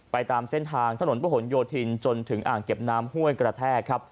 ไปตามเส้นทางถนนผนโยธินจนถึงอ่างเก็บน้ำห้วยกระแทก